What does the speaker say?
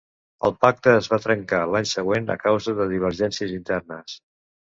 El pacte es va trencar l'any següent a causa de divergències internes.